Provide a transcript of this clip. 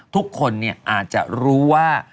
ทุกคนเนี่ยอาจจะรู้ว่า